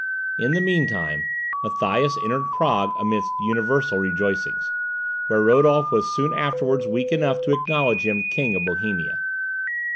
In the meantime, Matthias entered Prague amidst universal rejoicings, where Rodolph was soon afterwards weak enough to acknowledge him King of Bohemia.